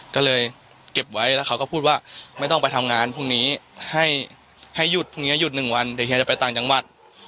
ก็เลยเก็บไว้แล้วเขาก็พูดว่าไม่ต้องไปทำงานพรุ่งนี้ให้หยุดพรุ่งนี้หยุด๑วันเดี๋ยวเฮียจะไปต่างจังหวัด